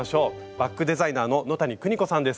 バッグデザイナーの野谷久仁子さんです。